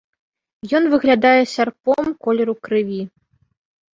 Ён выглядае сярпом колеру крыві.